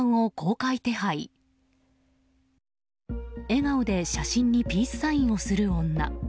笑顔で写真にピースサインをする女。